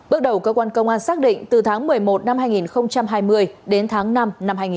bước đầu cơ quan công an xác định từ tháng một mươi một năm hai nghìn hai mươi đến tháng năm năm hai nghìn hai mươi